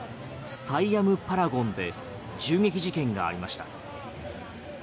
サイアム・パラゴンで銃撃事件がありました。